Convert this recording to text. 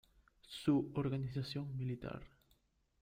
Su organización militar"".